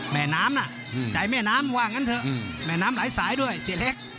แม่น้ำน่ะใจแม่น้ำว่างั้นเถอะแม่น้ำหลายสายด้วยเสียเล็ก